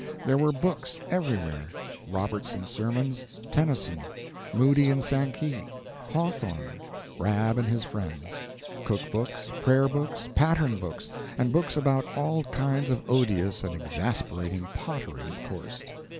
There were books everywhere: Robertson's Sermons, Tennyson, Moody and Sankey, Hawthorne, Rab and His Friends, cook books, prayer books, pattern books and books about all kinds of odious and exasperating pottery, of course.